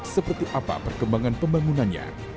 seperti apa perkembangan pembangunannya